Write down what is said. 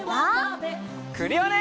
クリオネ！